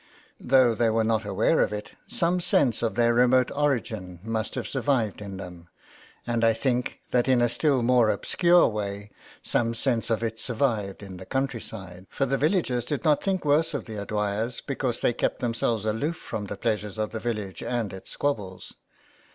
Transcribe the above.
Though they were not 243 THE WEDDING GOWN. aware of it, some sense of their remote origin must have survived in them, and I think that in a still more obscure way some sense of it survived in the country side, for the villagers did not think worse of the O'Dwyers because they kept themselves aloof from the pleasures of the village and its squabbles.